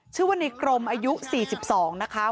ชื่อว่าในกรมอายุ๔๒นะคะ